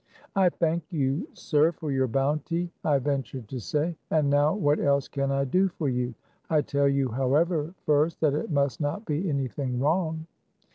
" I thank you, sir, for your bounty," I ventured to say ;" and now what else can I do for you ? I tell you, however, first, that it must not be anything wrong."